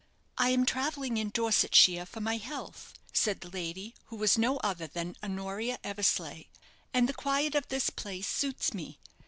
"I am travelling in Dorsetshire for my health," said the lady, who was no other than Honoria Eversleigh, "and the quiet of this place suits me.